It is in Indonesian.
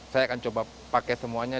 saya akan coba pakai semuanya